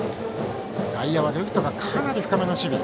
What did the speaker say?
外野はレフトがかなり深めの守備。